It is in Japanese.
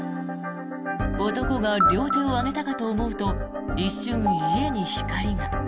男が両手を上げたかと思うと一瞬、家に光が。